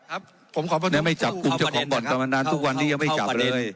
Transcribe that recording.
และไม่จับกลุ่มเจ้าของบ่อนประมาณนั้นทุกวันนี้ยังไม่จับเลย